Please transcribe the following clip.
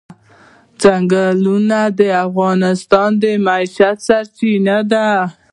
چنګلونه د افغانانو د معیشت سرچینه ده.